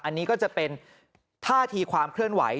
อันนี้ก็จะเป็นท่าทีความเคลื่อนไหว